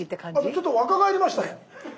ちょっと若返りましたね。